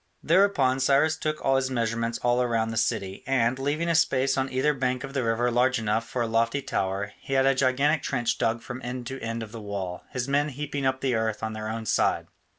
Thereupon Cyrus took his measurements all round the city, and, leaving a space on either bank of the river large enough for a lofty tower, he had a gigantic trench dug from end to end of the wall, his men heaping up the earth on their own side.